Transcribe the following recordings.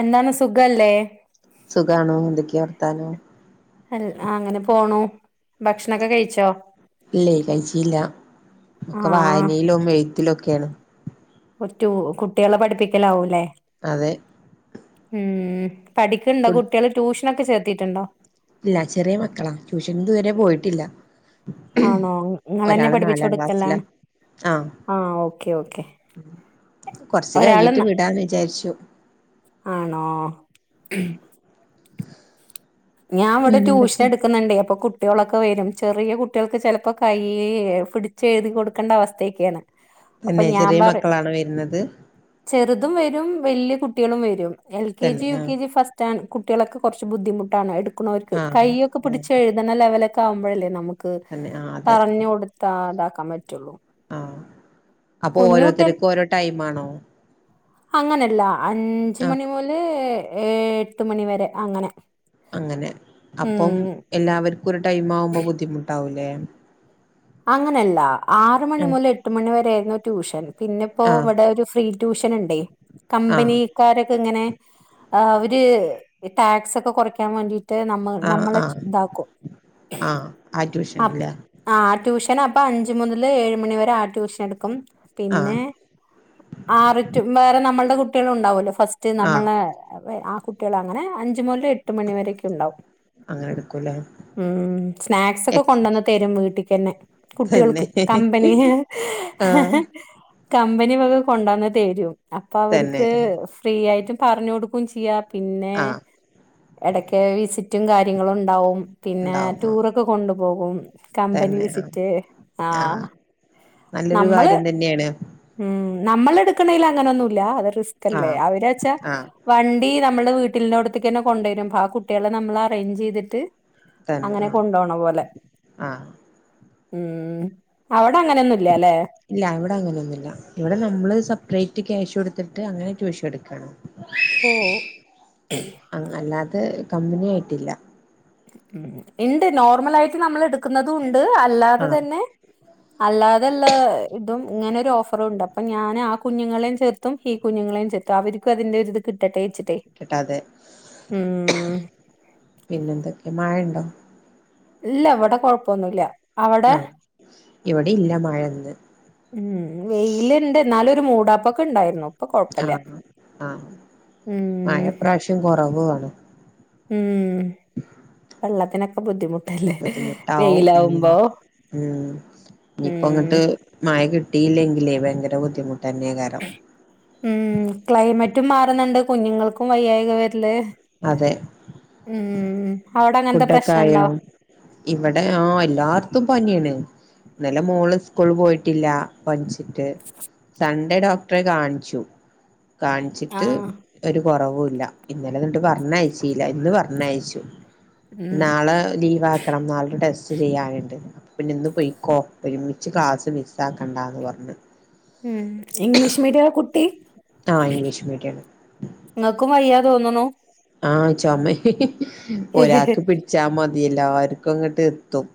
എന്താണ് സുഖല്ലേ. സുഖണോ എന്തൊക്കെയ വർത്താനം. അ അങ്ങനെ പോണു ഭക്ഷണൊക്കെ കഴിച്ചോ. ഇല്ലേ കഴിച്ചില്ല ഒക്കെ ആഹ് വായനയിലും എഴുത്തിലൊക്കെയാണ്. ഒറ്റു കുട്ടികളെ പഠിപ്പിക്കലാവൂല്ലേ. അതെ. ഉം പഠിക്കണ്ടോ ഫുഡ് കുട്ടികള് ട്യൂഷനൊക്കെ ചേർത്തിട്ടുണ്ടോ. ഇല്ല ചെറിയ മക്കളാ ട്യൂഷനിതുവരെ പോയിട്ടില്ല. ആണോ ഇങ്ങളന്നെ ഒരാള് നാലാം ക്ലാസ്സിലാ പഠിപ്പിച്ചുകൊടുക്കലാണ്. ആഹ് ആ ഓക്കേ ഓക്കെ. കൊറച്ചു ഒരാള് കഴിഞ്ഞിട്ടു ന വിടാന്നുവിചാരിച്ചു. ആണോ. ഉം ഞാൻ ഇവിടെ ട്യൂഷൻ പിന്നെന്തൊക്കെ എടുക്കുന്നുണ്ടേ അപ്പൊ കുട്ട് കുട്ടികളൊക്കെ വരും ചെറിയകുട്ടികൾക്ക് ചിലപ്പോ കൈ പിടിച്ചെഴുതി കൊടുക്കേണ്ട അവസ്ഥയൊക്കെയാണ്. അപ്പൊ തന്നെ ചെറിയ ഞാൻപറ മക്കളാണ് വരുന്നത് ചെറുതുംവരും വലൃകുട്ടികളും വരും എൽ കെ തന്നെ ജി യു ആഹ് കെ ജി ഫസ്റ്റാണ് കുട്ടികളൊക്കെ കൊറച്ച് ബുദ്ധിമുട്ടാണ് എടുക്കുന്നവർക്ക് ആഹ് കയ്യൊക്കെ ആഹ് പിടിച്ചെഴു ഇടുന്ന ലെവലൊക്കെ ആകുമ്പോഴല്ലേ നമുക്ക് തന്നെ ആഹ് അതെ പറഞ്ഞുകൊടുത്താ ഇതാക്കാൻ പറ്റുള്ളൂ. ആ അപ്പൊ കുഞ്ഞു കുട്ടികൾ ഓരോത്തർക്കും ഓരോ ടൈമാണോ. അങ്ങനല്ല ആഹ് അഞ്ചുമണിമൊല് ഏ എട്ടുമണിവരെ അങ്ങനെ. അങ്ങനെ അപ്പം ഉം എല്ലാവർക്കും ഒരു ടൈമാവുമ്പോ ബുദ്ധിമുട്ടാവൂലേ അങ്ങനെയല്ല ആഹ് ആറുമണിമൊല് എട്ടുമണിവരെയായിരുന്നു ട്യൂഷൻ പിന്നിപ്പോ ആഹ് ഇവിടെ ഒരു ഫ്രീ ട്യൂഷനൊണ്ടേ ആഹ് കമ്പനി ക്കാരൊക്കെയിങ്ങനെ അവര് ടാക്സൊക്കെ കൊറയ്ക്കാൻ വേണ്ടി ട്ട് നമ്മ ആഹ് നമ്മളെ ആഹ് ഇതാക്കും ആഹ് ആ അപ്പ് ട്യൂഷൻല്ലേ ആ ട്യൂഷനപ്പൊ അഞ്ചുമൊതല് ഏഴുമണിവരെ ആ ട്യൂഷനെടുക്കും പിന്നെ ആഹ് ആറ് റ്റു വേറെ നമ്മളുടെ കുട്ടികളുണ്ടാവല്ലോ ഫസ്റ്റ് റ്റ് ആഹ് നമ്മളെ ആ കുട്ടികൾ അങ്ങനെ അഞ്ചുമൊല് എട്ട് എട്ടുമണിവരൊക്കെ ഉണ്ടാവും അങ്ങനെ എടുക്കൂലേ ഉം സ്നാക്സൊക്കെ എക്സ് കൊണ്ടന്നുതരും വീട്ട്ക്കന്നെ തന്നെ കുട്ടികൾക്ക് കമ്പനി ആഹ് കമ്പനിവക കൊണ്ടോന്നു തേരും അപ്പൊ തന്നെ അവർക്ക് ഫ്രീയായിട്ടും പറഞ്ഞുകൊടുക്കും ചെയ്യാം പിന്നെ ആഹ് എടക്ക് വിസിറ്റും കാര്യങ്ങളും ഒണ്ടാവും പിന്നെ ഉണ്ടാവും ആഹ് ടൂറൊക്കെകൊണ്ടുപോകും കമ്പനി തന്നെ വിസിറ്റ് ആഹ് ആ ആഹ് നല്ലൊരു നമ്മള് കാര്യം തന്നെയാണ് ഉം നമ്മളെടുക്കണേൽ അങ്ങനൊന്നുമില്ല അത് റിസ്കല്ലേ ആഹ് അവരച്ചാ ആഹ് വണ്ടി നമ്മള് വീട്ടിലിന്റേലവിടത്തേക്കുതന്നെ കൊണ്ടേരും അപ്പൊ ആ കുട്ടികളെ നമ്മള് അറേഞ്ച് ചെയ്തിട്ട് തന്നെ അങ്ങനെ കൊണ്ടോണ പോലെ ആ ആ ഉം അവിടങ്ങനെയൊന്നുല്ലാല്ലേ ഇല്ല ഇവിടെ അങ്ങനെയൊന്നില്ല ഇവിടെ നമ്മള് സെപ്പറേറ്റ് ക്യാഷ് കൊടുത്തിട്ട് അങ്ങനെ ട്യൂഷൻ എടുക്കാണ് [inaudible] ഓ അല്ലാത്തെ കമ്പനിയായിട്ടില്ല ഇണ്ട് നോർമലായിട്ട് നമ്മൾ എടുക്കുന്നതുമുണ്ട് അല്ലാതെ ആഹ് തന്നെ അല്ലാതൊള്ള ഇതും ഇങ്ങനെ ഒരു ഓഫറുണ്ട് അപ്പൊ ഞാൻ ആ കുഞ്ഞുങ്ങളേയും ചേർ ത്തും ഈ കുഞ്ഞുങ്ങളേയും ചേർത്തും അവർക്കും അതിന്റെയൊരിത് കിട്ടട്ടെ വെച്ചിട്ടേ കിട്ടാതെ പിന്നെന്തൊക്കെ മഴണ്ടോ ഇല്ല ഇവിടെ കൊഴപ്പൊന്നൂല്ലാ ആ ഇവിടെയില്ല മഴ ഇന്ന് ഉം വെയില് ഇണ്ട് എന്നാലൊരു മൂടാപ്പൊക്കെ ഉണ്ടായിരുന്നു ഇപ്പൊ ആ കൊഴപ്പല്ല ആ ഉം മഴ ഇപ്രാവശ്യം കൊറവുകാണും ഉം വെള്ളത്തിനൊക്കെ ബുദ്ധിമുട് ബുദ്ധിമുട്ടാവും ഉം ഉം ഇനിയിപ്പ ഉം അങ്ങിട്ട് മഴ കിട്ടിയില്ലെങ്കിൽ ഭയങ്കര ബുദ്ധിമുട്ട് തന്നെകരം ഉം ക്ലൈമറ്റും മാറുന്നുണ്ട് കുഞ്ഞുങ്ങൾക്കും വയ്യായിക വരില് അതെ ഉം അവിടെ അങ്ങനത്തെ ഫുഡൊക്കെ ആയോ പ്രശ്നണ്ടോ ഇവിടെ ആഹ് എല്ലാർത്തും പനിയാണ് ഇന്നലെ മോള് സ്കൂള് പോയിട്ടില്ല പൻച്ച് സൺ‌ഡേ ഡോക്ടറെ കാണിച്ചു കാണിച്ചിട്ട് ആഹ് ഒരു കുറവുല്ല ഇന്നലെ എന്നിട്ട് പറഞ്ഞയച്ചീല്ല ഇന്ന് പറഞ്ഞ അയച്ചു ഉം നാളെ ലീവ് ആക്കണം നാളുടെ ടെസ്റ്റ് ചെയ്യാനുണ്ട് പിന്നെ ഇന്ന് പൊയ്ക്കോ ഒരുമിച്ച് ക്ലാസ് മിസ് ആക്കണ്ടന്ന് പറഞ് ഉം ഇംഗ്ലീഷ് മീഡിയം കുട്ടി ആഹ് ഇംഗ്ലീഷ് മീഡിയം ഇങ്ങൾക്കും വയ്യാ തോന്നുണു ആഹ് ചൊമ ഒരാക്ക് പിടിച്ചാ മതി എല്ലർക്കും ഇങ്ങോട്ട് എത്തും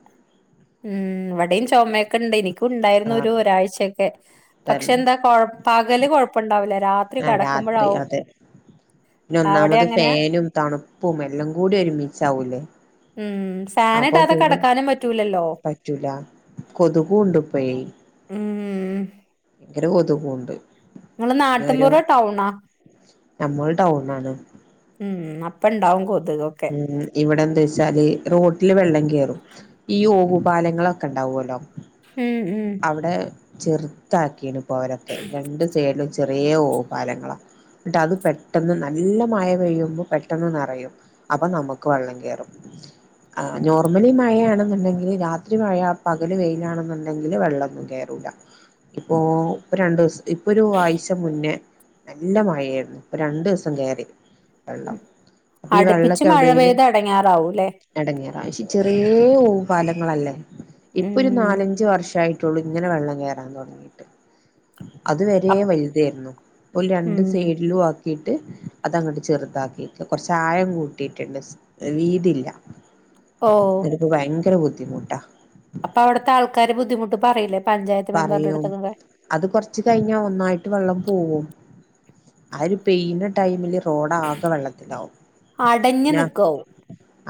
ഉം ഇവിടെയും ചുമയൊക്കെ ഇണ്ട് എനിക്കും ഉണ്ടായിരുന്നു ആഹ് ഒരു ഒരാഴ്ചയൊക്കെ പക്ഷെ തന്നെ എന്താകോ പകല് കൊഴപ്പംണ്ടാവില്ല രാത് ആഹ് രാത്രി അതെ പിന്ന അവിടെ ഒന്നാമത് അങ്ങനെ ഫേനും തണുപ്പും എല്ലാം കൂടി ഒരുമിച്ച് ആവൂലേ ഉം ഫാനിടാതെ കെടക്കാനും പറ്റൂലല്ലോ പറ്റൂല കൊതുകൂണ്ട് ഇപ്പഴേ ഉം ഭയങ്കര കൊതുകുണ്ട് നിങ്ങള് ഓരോ നാട്ടിൻപുറം ടൗണാ നമ്മള് ടൗൺ ആണ് ഉം ഉം അപ്പം ഇണ്ടാവും കൊതുകൊക്കെ ഉം ഇവിടെ എന്താ വെച്ചാല് റോട്ടില് വെള്ളം കയറും ഈ ഓഹുപാലങ്ങളൊക്കെ ഉണ്ടാവുമല്ലോ ഉം ഉം ഇവിടെ ചെറുതാക്കിണ്പ്പോരൊക്കെ രണ്ടു സൈഡിലും ചെറിയ ഓഹു പാലങ്ങളാ എന്നിട്ട് അത് പെട്ടെന്ന് നല്ല മഴ പെയ്യുമ്പോൾ പെട്ടെന്ന് നെറയും അപ്പൊ നമുക്ക് വെള്ളം കയറും ആഹ് നോർമലി മഴയാണെന്നുണ്ടെങ്കിൽ രാത്രി മഴ പകല് വെയിലാണെന്നു ണ്ടെങ്കിൽ വെള്ളൊന്നും കേയറൂല്ല ഇപ്പൊ രണ്ട് ദിവസം ഇപ്പൊ ഒരു ആഴ്ച മുന്നേ നല്ല മഴയായിരുന്നു ഇപ്പ രണ്ടു ദിവസം കേയറി വെള്ളം അപ്പൊ ഈ അടുപ്പിച്ച് വെള്ളക്കെ മഴ എവിടെലും പെയ്ത് അടങ്ങാറാവൂല്ലേ എടങ്ങേറാ പക്ഷെ ചെറിയ ഓവു പാലങ്ങളല്ലേ ഇപ്പൊ ഒരു ഉം നാലഞ്ച വർഷ് ഷായിട്ടുള്ളൂ ഇങ്ങനെ വെള്ളം കയറാൻ തൊടങ്ങിയിട്ട് അത് വരെ അപ് വലുതായിരുന്നു ഇപ്പൊ രണ്ട് ഉം സൈഡിലും ആ ക്കിയിട്ട് അതങ്ങോട്ട് ചെറുതാക്കിയിട്ട് കൊറച്ച് ആഴം കൂട്ടിയിട്ടുണ്ട് വീതില്ല ഓ അത് ഭയങ്കര ബുദ്ധിമുട്ടാ അപ്പൊ അവിടുത്തേ ആൾക്കാര് ബുദ്ധിമുട്ട് പറയില്ലെ പറയും അത് കൊറച്ച് കഴിഞ്ഞ ഒന്നായിട്ട് വെള്ളം പോവും ആഹ് ഒരു പെയിന്ന ടൈമില് തോടാകെ വെള്ളത്തിലാവും അടഞ്ഞു പിന്നെ നിക്കാവും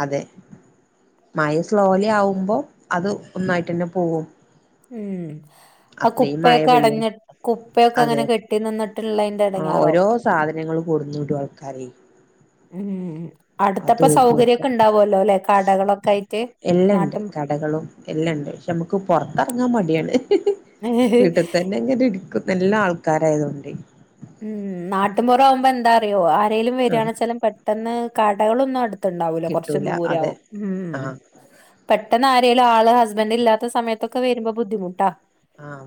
അതെ മഴ സ്ലോലി ആവുമ്പോ അത് ഒന്നായിട്ട് തന്നെ പോകും ഉം ആഹ് മഴ കുപ്പയൊക്കെ പെയ്യും അടഞ്ഞിട്ട് കുപ്പയൊക്കെ അതെ അങ്ങനെ കെട്ടി നിന്നിട്ടുള്ളതിന്റെ എടങ്ങാറാവും സാധനങ്ങള് കൊട്ന്നിടു ആൾക്കാരെ ഇഹിം അടുത്തപ്പ അതും ഇതും ഒക്കെ സൗകര്യക്കെ ഇണ്ടാവുല്ലോല്ലെ കടകളൊക്കെ ആയിട്ട് നാട്ടും ടകളും എല്ലാണ്ട് പക്ഷെ നമുക്ക് പൊറത്തിറങ്ങാൻ മടിയാണ് വീട്ടി ത ന്നങ്ങനെ ഇരിക്കും നല്ല ആൾക്കാരായതോണ്ടേ ഉം നാട്ടിപുറ ആവുമ്പോ എന്താറിയോ ആരേലും ആഹ് വര്യാണെച്ചാലും പെട്ടെന്ന് കടകളൊന്നും അട് ത്തെണ്ടാവൂല കൊറച്ച് കിട്ടൂല അതെ ദൂരെയാവും ഉം ആഹ് പെട്ടെന്ന് ആരേലും ആള് ഹസ്ബൻഡ് ഇല്ലാത്ത സമയത്തൊക്കെ വരുമ്പൊ ബുദ്ധിമുട്ടാ ആഹ്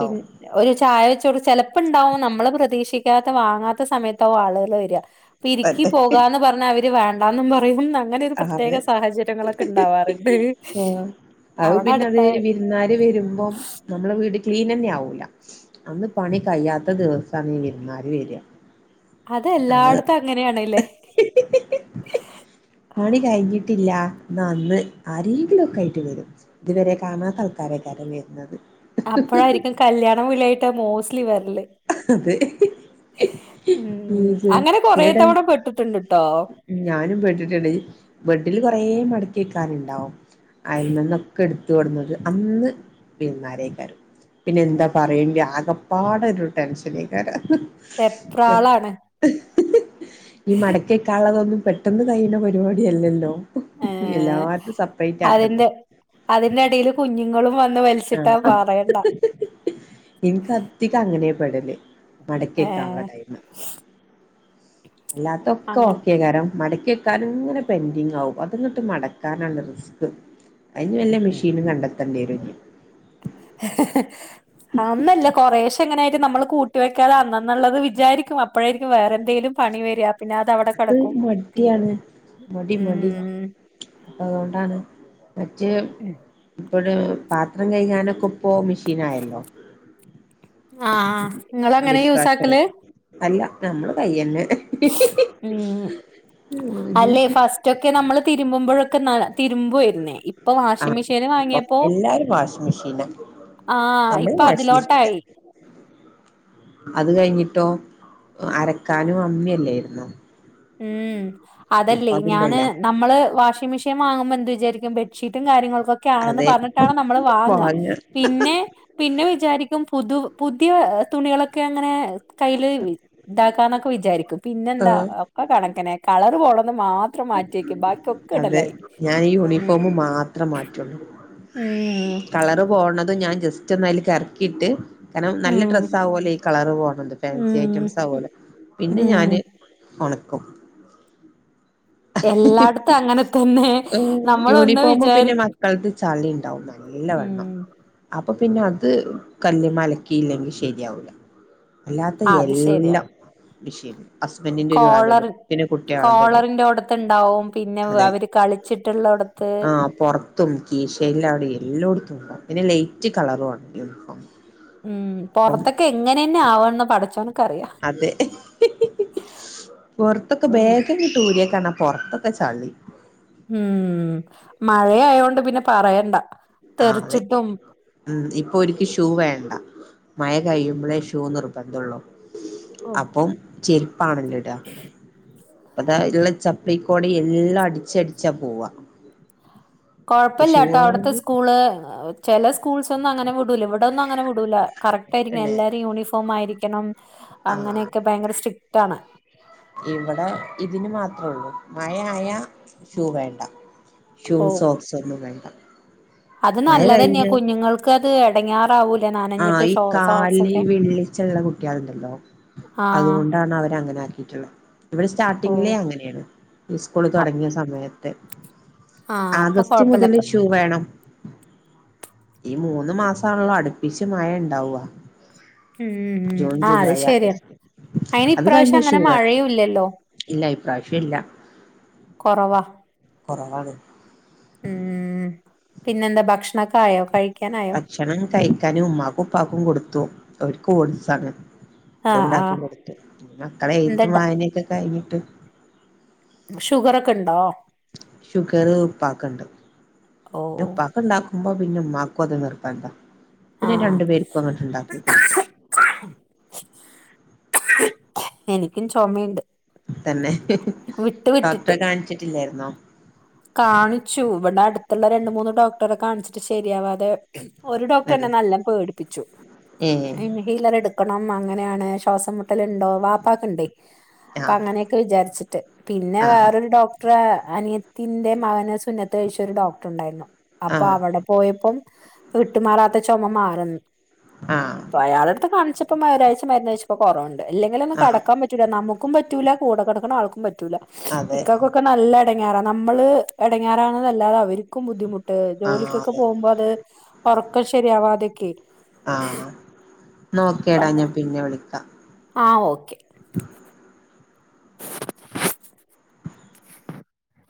പിൻ ഒരു ചായ വെച്ചോട് ചെലപ്പിണ്ടാവും നമ്മള് പ്ര തീക്ഷിക്കാത്ത വാങ്ങാത്ത സമയത്ത് ആവും ആളുകള് വരിക അപ്പ ഇരിക്ക് തന്നെ പോകാന്ന് പറഞ്ഞ അവ ര് വേണ്ടാന്നും പറയും അങ്ങനെ ഒരു അതെ പ്രത്യേക സാഹചര്യങ്ങളൊക്കെ ഇണ്ടാവാറിണ്ട് ആഹ് അത് പിന്നെ അത് വിരുന്നാര് വരുമ്പം നമ്മളെ വീട് ക്ലീൻ അന്നെ ആവൂല അന്ന് പണി കഴിയാത്ത ദിവസാണീ വിരുന്നാര് വര്യാ അതെല്ലായിടത്തും അങ്ങനെയാണില്ലേ പണി കഴിഞ്ഞിട്ടില്ല എന്ന അന്ന് ആരേങ്കിലു ഒക്കെ ആയിട്ട് വരും ഇതുവരെ കാണാത്ത ആൾക്കാരായ്ക്കും മിക്കാറും വെരുന്നത് അപ്പഴായിരിക്കും കല്യാണം വിളിയാട്ട് മോസ്റ്റ്ലി വ അതെ ഉം അങ്ങനെ കൊറേ ചില ടൈം തവണ പെട്ട്ട്ടിണ്ട്ട്ടോ ഞാനും പെട്ട്ട്ടിണ്ട് ബെഡ്ഡ്ല് കൊറേ മട‌ക്കി വെക്കാനിണ്ടാവും. അയ്മ്മെന്നൊക്കെ ഇട് ത്ത് കൊണ്ടന്നത് അന്ന് വിര്ന്നാരെയ്ക്കാരം. പിന്നെന്താ പറയണ്ട്യെ ആകപ്പാടൊരു ടെൻഷനെയ്ക്കാരം വെപ്രാളാണ് ഈ മട‌ക്കി വെക്കാള്ളതൊന്നും പെട്ടന്ന് കഴിയണ പരിപാടിയല്ലല്ലോ. എല്ലാരതും സപ്രൈറ്റാക്കണ്ടെ. അതിന്റെടീല് കുഞ്ഞ്ങ്ങളും വന്ന് വലിച്ചിട്ടാ പറയണ്ട. ഇൻക്കതികങ്ങനെ പെടല് മടക്കി വെക്കാനെള്ള ഏഹ് ടൈമ് അല്ലാത്തൊക്കെ അങ്ങനെ ഓക്കെയ്ക്കാരം മട‌ക്കി വെ തലങ്ങനെ പെന്റിങ്ങാവും അതങ്ങട്ട് മടക്കാനാണ് റിസ്ക്ക് അയ്ന് ഉം വെല്ലെ ഉം മിഷീനും കണ്ടെ ത്തെണ്ടിവരും [inaudible] അവൊന്നല്ല. കൊറേഷെങ്ങനെ ആയത് നമ്മള് കൂട്ടി വെയ്ക്കാതെ അന്ന്ന്നിള്ളത് വിചാരിക്കും അ പ്പഴായിരിക്കും വേറെന്തേലും പണി വരാ പിന്നതവടെ ത് കടക്കും പിൻ മടിയാണ് ഉം അപ്പ അതുകൊണ്ടാണ് മറ്റേ ഇപ്പഴ് പാത്രം കഴുകാനൊക്കൊ പോവാൻ മിഷീനായല്ലോ ആഹ് ഇങ്ങളങ്ങനേ ഡിഷ് വാഷർ യൂസാക്കല് അല്ല ഞമ്മള് കയ്യന്നെ ഉം. അല്ലെ ഫസ്റ്റൊക്കെ നമ്മള് തിരുമ്പുമ്പഴൊക്കെ ന തിരുമ്പുവോരിന്നെ ഇപ്പൊ വാഷിംഗ് ആഹ് മെഷീന് ഇപ്പം വാങ്ങ്യപ്പൊ എല്ലാരും വാഷിംഗ് മെഷീനാ ആഹ് ഇപ്പ നമ്മളും വാഷിംഗ് മെഷീനാ അതിലോട്ടായി അത് കഴിഞ്ഞിട്ടോ അരക്കാനും അമ്മിയെല്ലേര്ന്നോ ഉം അതല്ലെയ് ഞാന് അതില്ലല്ലോ ന മ്മള് വാഷിംങ് മിഷീൻ വാങ്ങുമ്പൊ എന്ത് വിജാരിക്കും ബെഡ്ഷീറ്റും കാര്യങ്ങൾക്കൊ ക്കാണെന്ന് അതെ പറഞ്ഞ്ട്ടാണ് നമ്മള് വാങ്ങാ വാങ്ങ പിന്നെ പിന്നെ വിചാരിക്കും പുതു പുതിയ തുണികളൊക്കെ അങ്ങനേ കയ്യ്ല് ഇതാക്കാന്നൊക്കെ വിചാരിക്കും പിന്നെന്താ ആഹ് ഒക്കെ കണക്കെന്നെ കളറ് പോണത് മാ അതെ ഞാൻ ഉം യൂണിഫോമ് മാത്രം മാറ്റൊള്ളു ഉം കളറ് പോണതും ഞാൻ ജസ്റ്റൊന്ന് അയ്ല് കറക്കീട്ട് കാരണം നല്ല ഉം ഡ്രസ്സാവോലൊ ഈ കളറ് പോണത് ഫാൻസി ഉം ഐറ്റംസാവോലൊ പിന്നെ ഉം ഞാന് ഒണക്കും. എല്ലായിടത്തും അങ്ങനെ തന്നെ നമ്മളൊന്ന് യൂണിഫോമും പിന്നെ വിചാരി മക്കൾതും ചളിണ്ടാവും ന ല്ല ഉം വണ്ണം അപ്പൊ പിന്നെ അത് കല്ല്മ്മെ അലക്കീല്ലെങ്കി ശെര്യാവൂല. അല്ലാത്തെ അത് ശരിയാണ് എല്ലം മെഷീന്ല് ഹസ്ബന്റിന്റെ ഒരു വകടും പിന്നെ കുട്ട്യാളത്‌ടും. ത്ത്ണ്ടാവും പിന്നെ വെ അവര് കളിച്ച്ട്ട്ള്ളോടത്ത്, ആഹ് പൊറത്തും കീഷേലവടേം എല്ലോട്ത്തുംണ്ടാകും. പിന്നെ ലൈറ്റ് കളറും ആണ് യൂണിഫോമ്. ഉം. പൊറത്തൊക്കെങ്ങനെന്നാവാന്ന് പടച്ചോന് അതെ. പൊറത്തൊക്കെ ഉം ബാഗ്ങ്ങ ട്ട് ഊര്യാക്കാണ പൊറത്തൊക്കെ ചളി. ഉം. മഴയായോണ്ട് പിന്നെ പറയണ്ട. ആഹ് അതെ. തെറിച്ചിട്ടും ഉം ഇപ്പൊ ഓര്ക്ക് ഷൂ വേണ്ട. മഴ കയ്യുമ്പളേ ഷൂ നിർബന്തൊള്ളൂ. ഓഹ് അപ്പം ചെരുപ്പാണല്ലോ ഇടാ [inaudible] അതാ ഇല്ല ചപ്ലീക്കൂടിം എല്ലാം അടിച്ചടിച്ചാ പോവാ. മറ്റേ ഷൂ കൊഴപ്പല്ലാട്ടോ അവിടുത്തെ ആണെങ്കിൽ സ്കൂള് ചില സ്കൂൾസ് ഒന്നും അങ്ങനെ വിടൂല ഇവിടെ ഇവിടൊന്നും അങ്ങനെ വിടൂല്ല. കറക്റ്റ് ആയിരിക്കണം അല്ലെ എല്ലാരും യൂണിഫോം ആയിരിക്കണം. ആ അങ്ങനെയൊക്കെ ഭയങ്കര സ്ട്രിക്ട് ആണ്! ഇവിടെ ഇതിന് മാത്രേ ഒള്ളൂ മഴയായ ഷൂ വേണ്ട. ഷൂ, ഓഹ് സോക്സ് ഒന്നും വേണ്ട. അത് മഴ നല്ലതന്നേ കഴിഞ്ഞാല് കുഞ്ഞുങ്ങൾക്ക്ത് ഇടങ്ങേറാവൂല ആഹ് ഈ കാൽല് ഈ വിള്ളിച്ചള്ള കുട്ട്യാള്ണ്ടല്ലോ ആഹ് അതുകൊണ്ടാണ് അവര് അങ്ങനെ ആക്കീട്ട്ള്ളത് ഇവിടെ സ്റ്റാർട്ടിങ്ങിലെ ഓഹ് അങ്ങനെയാണ്. ഈ സ്കൂള് തുടങ്ങിയ സമയത്ത് ആഹ് അപ്പൊ ആഗസ്റ്റ് മുതല് കൊഴപ്പല്ലപ്പ ഷൂ വേണം. ഈ മൂന്ന് മാസാണല്ലോ അട് പിച്ചു മഴ ഉണ്ടാവ ഉം ഉം ജൂൺ, ആ അത് ജൂലൈ, ശരിയാണ് ആഗസ്റ്റ് അയിന് അത് ഇപ്രാവശ്യം കഴിഞ്ഞാ ഷൂ അങ്ങനെ വേണം. മഴയുല്ലല്ലോ ഇല്ല ഇപ്രാവശ്യം ഇല്ല കുറവാ കുറവാണ് ഉം പിന്നെന്താ ഭക്ഷണൊക്കെ ആയോ? കഴിക്കാനായോ? ഭക്ഷണം കഴിക്കാനും ഉമ്മക്കും, ഉപ്പക്കും കൊടുത്തു. അവർക്ക് ഓട്സാണ്. ആ ആ അത്ണ്ടാക്കി കൊടുത്ത് മക്കളെ എഴുതും എന്താ വായനൊക്കെ കഴിഞ്ഞിട്ട്. ഷുഗറൊക്കെ ഉണ്ടോ? ഷുഗർ ഉപ്പാക്ക്ണ്ട്. ഓ ൻ്റെ ഉപ്പ ക്ക് ഉണ്ടാക്കുമ്പോ പിന്നെ ഉമ്മാക്കും അതു നിർബന്ധ. ആ പിന്നെ രണ്ടു പേർക്കും അങ്ങോട്ട് ഉണ്ടാക്കി കൊടുക്കും. എനിക്കും ചുമയുണ്ട്. തന്നെ, വിട്ട് വിട്ടിട്ട് ഡോക്ടറെ കാണിച്ചിട്ടില്ലായിര്ന്നോ കാണിച്ചു ഇവിടെ അടുത്തുള്ള രണ്ട്, മൂന്ന് ഡോക്ടറെ കാണിച്ചിട്ട് ശരിയാവാതെ ഒരു തന്നെ ഡോക്ടറെന്നെ നല്ലോം പേടിപ്പിച്ചു ഏ ഇൻ ഹീലർ എടുക്കണം അങ്ങനെയാണ് ശ്വാസം മുട്ടലുണ്ടോ വാപ്പക്ക ഇണ്ട്. അപ്പൊ ആഹ് അങ്ങനെ ക്കെ വിചാരിച്ചിട്ട്. പിന്നെ ആഹ് വേറൊരു ഡോക്ടറെ അനിയ തിന്റെ മകനെ സുന്നത്ത് കഴിച്ച ഒരു ഡോക്ടർ ഉണ്ടായിരുന്നു. അപ്പൊ ആഹ് അവിടെ പോയപ്പം വിട്ടുമാറാത്ത ചുമ മാറ്നെ ആഹ്. ഇപ്പം അയാൾടെ അടുത്ത് കാണിച്ചപ്പം ഒരാഴ്ച്ച മരുന്ന് കഴിച്ചപ്പോ കുറവണ്ട് ഇല്ലെങ്കിലൊന്ന് ആഹ് കെടക്കാൻ പറ്റു റ്റുല നമുക്കും പറ്റൂല കൂടെ കിടക്കുന്ന ആൾക്കും പറ്റൂല അതെ ഇക്കാക്കൊക്കെ നല്ല എടങ്ങേറാണ് നമ്മള് ഇടങ്ങേറണതല്ലാതെ അവർക്കും ബുദ്ധിമുട്ട്, ആഹ് ജോലിക്കൊക്കെ അതെ പോകുമ്പോ അത്. ഉറക്കം ശരിയാവാതൊക്കെയെ ആഹ് ന്നാ ഓക്കേടാ ഞാൻ പിന്നെ വിളിക്കാം. ആഹ് ഓക്കേ [inaudible] [inaudible]